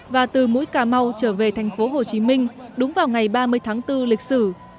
và từ mũi cà mau trở về tp hcm đúng vào ngày ba mươi tháng bốn lịch sử